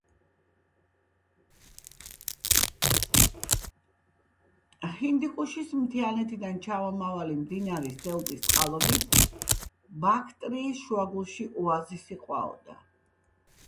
ჰინდიყუშის მთიანეთიდან ჩამომავალი მდინარის დელტის წყალობით, ბაქტრიის შუაგულში ოაზისი ჰყვაოდა.